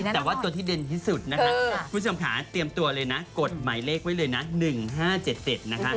แต่ว่าตัวที่เด่นที่สุดนะคะคุณผู้ชมค่ะเตรียมตัวเลยนะกดหมายเลขไว้เลยนะ๑๕๗๗นะคะ